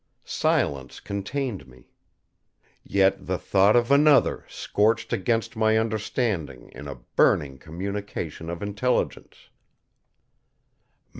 Silence contained me. Yet the thought of another scorched against my understanding in a burning communication of intelligence.